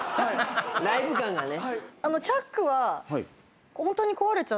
ライブ感がね。